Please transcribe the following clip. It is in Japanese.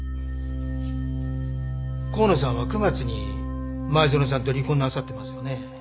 河野さんは９月に前園さんと離婚なさってますよね？